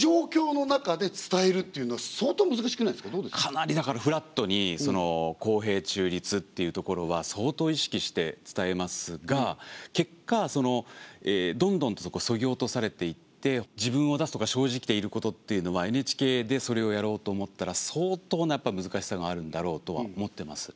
かなりだからフラットに公平中立っていうところは相当意識して伝えますが結果どんどんとそぎ落とされていって自分を出すとか正直でいることというのはＮＨＫでそれをやろうと思ったら相当なやっぱり難しさがあるんだろうとは思ってます。